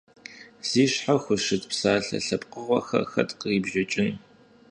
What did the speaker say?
Зи щхьэ хущыт псалъэ лъэпкъыгъуэхэр хэт кърибжэкӏын?